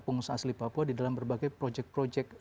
pengusaha asli papua di dalam berbagai projek projek